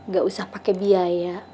gak usah pakai biaya